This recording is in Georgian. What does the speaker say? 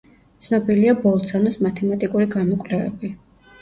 ცნობილია ბოლცანოს მათემატიკური გამოკვლევები.